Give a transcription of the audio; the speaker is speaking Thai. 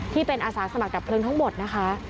ที่เป็นอาสาสมัครดับเพลิงทั้งหมดนะคะ